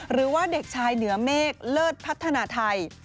หรือว่าเด็กชายเหนือเมฆเลิศพัฒนาไทย